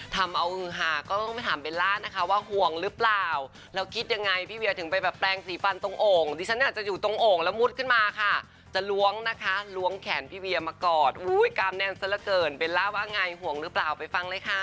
ทำเอาฮือหาก็ต้องไปถามเบลล่านะคะว่าห่วงหรือเปล่าแล้วคิดยังไงพี่เวียถึงไปแบบแปลงสีฟันตรงโอ่งดิฉันอาจจะอยู่ตรงโอ่งแล้วมุดขึ้นมาค่ะจะล้วงนะคะล้วงแขนพี่เวียมากอดอุ้ยกล้ามแน่นซะละเกินเบลล่าว่าไงห่วงหรือเปล่าไปฟังเลยค่ะ